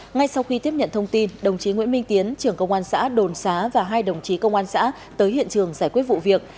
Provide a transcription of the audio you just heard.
ngay sau khi tiếp nhận thông tin đồng chí nguyễn minh tiến trưởng công an xã đồn xá và hai đồng chí công an xã tới hiện trường giải quyết vụ việc